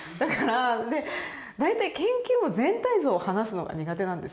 で大体研究も全体像を話すのが苦手なんですよ。